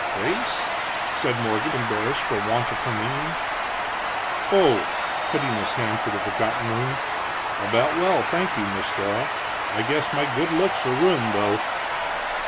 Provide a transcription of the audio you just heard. "Face?" said Morgan, embarrassed for want of her meaning. "Oh," putting his hand to the forgotten wound "about well, thank you, Miss Dora. I guess my good looks are ruined, though."